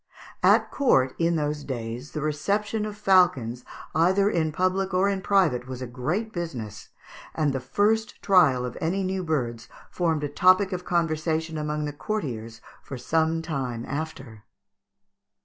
At court, in those days, the reception of falcons either in public or in private was a great business, and the first trial of any new birds formed a topic of conversation among the courtiers for some time after.